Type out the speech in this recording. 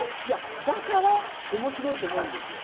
だから、面白いと思うんですよ。